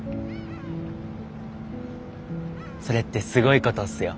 それってすごいことっすよ。